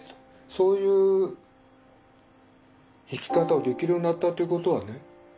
そういう生き方をできるようになったっていうことはね